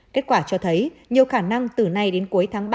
kết quả cho thấy nhiều khả năng từ nay đến cuối tháng ba